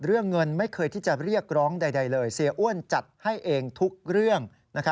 เรื่องเงินไม่เคยที่จะเรียกร้องใดเลยเสียอ้วนจัดให้เองทุกเรื่อง